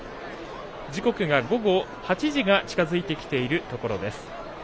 時刻が午後８時が近づいてきているところです。